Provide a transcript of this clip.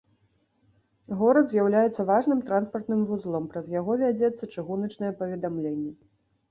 Горад з'яўляецца важным транспартным вузлом, праз яго вядзецца чыгуначнае паведамленне.